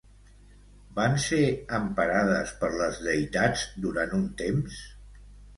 Van ser emparades per les deïtats durant un temps?